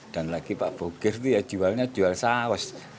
dan lagi pak boger itu ya jualnya jual sawas